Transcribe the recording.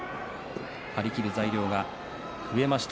張り切る材料が増えました